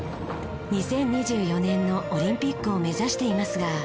２０２４年のオリンピックを目指していますが。